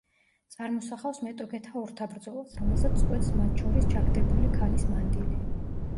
წარმოსახავს მეტოქეთა ორთაბრძოლას, რომელსაც წყვეტს მათ შორის ჩაგდებული ქალის მანდილი.